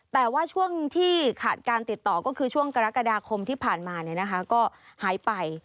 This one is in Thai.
แต่ว่าช่วงที่ขาดการติดต่อก็คือช่วงกรกฎาคมที่ผ่านมาก็หายไป